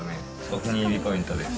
お気に入りポイントです。